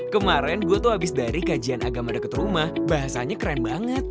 kemarin gue tuh habis dari kajian agama deket rumah bahasanya keren banget